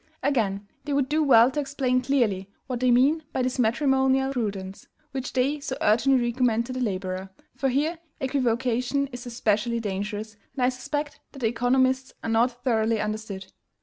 Again, they would do well to explain clearly what they mean by this matrimonial prudence which they so urgently recommend to the laborer; for here equivocation is especially dangerous, and I suspect that the economists are not thoroughly understood.